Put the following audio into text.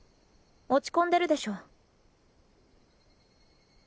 落ち込んでるでしょ？